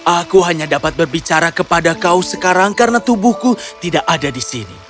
aku hanya dapat berbicara kepada kau sekarang karena tubuhku tidak ada di sini